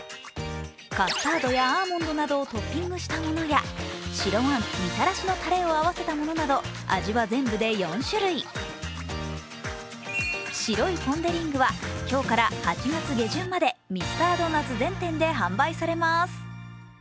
カスタードやアーモンドなどをトッピングしたものや白あん、みたらしのたれを合わせたものなど味は全部で４種類白いポン・デ・リングは今日から８月下旬までミスタードーナツ全店で販売されます。